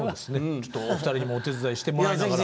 ちょっとお二人にもお手伝いしてもらいながら。